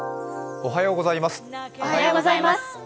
おはようございます。